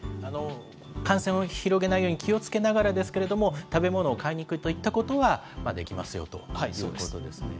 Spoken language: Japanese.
感染を広げないように気をつけながらですけれども、食べ物を買いに行くといったことはできますよということですね。